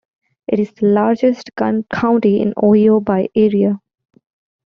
It is the largest county in Ohio by area.